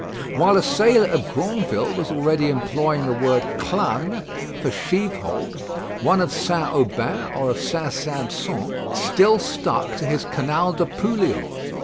While a sailor of Granville was already employing the word clan for sheave hold, one of St. Aubin or of St. Sampson still stuck to his canal de pouliot.